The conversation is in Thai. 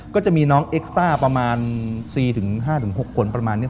ก็จะมีน้องเอ็กซ่าประมาณ๔๕๖คนประมาณนี้